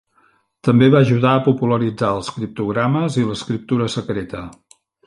També va ajudar a popularitzar els criptogrames i l'escriptura secreta.